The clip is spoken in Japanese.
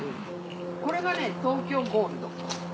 これがね東京ゴールド。